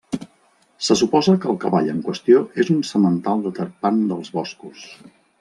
Se suposa que el cavall en qüestió és un semental de tarpan dels boscos.